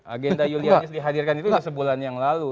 agenda yulianis dihadirkan itu sudah sebulan yang lalu